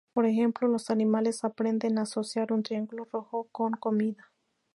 Por ejemplo, los animales aprenden a asociar un triángulo rojo con comida.